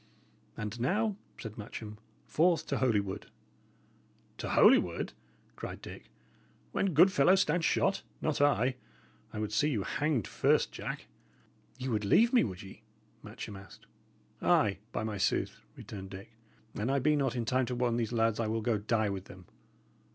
"And now," said Matcham, "forth to Holywood." "To Holywood!" cried Dick, "when good fellows stand shot? Not I! I would see you hanged first, Jack!" "Ye would leave me, would ye?" Matcham asked. "Ay, by my sooth!" returned Dick. "An I be not in time to warn these lads, I will go die with them.